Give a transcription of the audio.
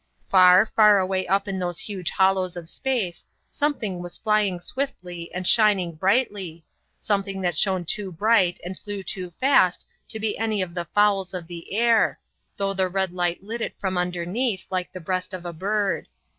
Far, far away up in those huge hollows of space something was flying swiftly and shining brightly, something that shone too bright and flew too fast to be any of the fowls of the air, though the red light lit it from underneath like the breast of a bird.